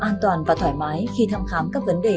an toàn và thoải mái khi thăm khám các vấn đề